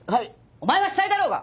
お前は死体だろうが！